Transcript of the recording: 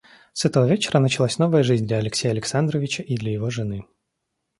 С этого вечера началась новая жизнь для Алексея Александровича и для его жены.